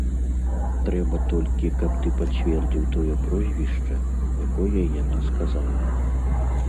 Трэба толькі, каб ты пацвердзіў тое прозвішча, якое яна сказала.